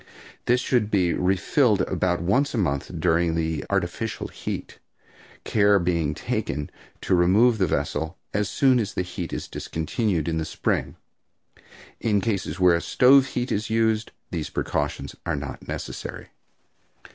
This should be refilled about once a month during artificial heat, care being taken to remove the vessel as soon as the heat is discontinued in the spring. In cases where stove heat is used these precautions are not necessary.